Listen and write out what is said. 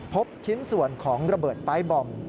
พบชิ้นส่วนของระเบิดปลายบอม